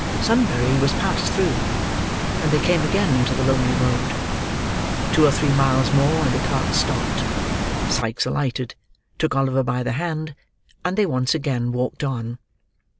Sunbury was passed through, and they came again into the lonely road. Two or three miles more, and the cart stopped. Sikes alighted, took Oliver by the hand, and they once again walked on.